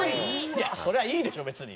いやそれはいいでしょ別に。